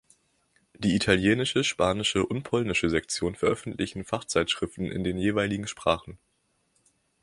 Die italienische, spanische und polnische Sektion veröffentlichen Fachzeitschriften in den jeweiligen Sprachen.